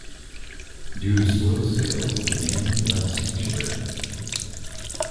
Due to slow sales, the band left Sanctuary.